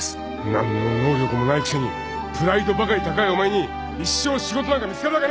何の能力もないくせにプライドばかり高いお前に一生仕事なんか見つかるわけない。